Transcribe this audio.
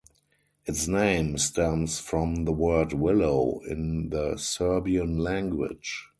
Its name stems from the word "Willow" in the Serbian language.